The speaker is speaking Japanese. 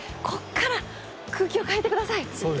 ここから空気を変えてください。